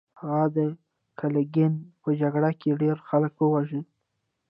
هغه د کلینګا په جګړه کې ډیر خلک وواژه.